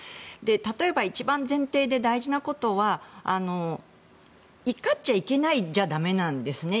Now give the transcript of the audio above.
例えば一番前提で大事なことは怒っちゃいけないじゃ駄目なんですね。